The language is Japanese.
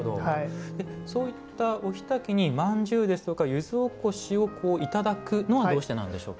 そういったお火焚きにまんじゅうですとか柚子おこしをいただくのはどうしてなんでしょうか。